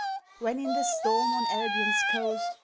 When in the storm on Albion's coast.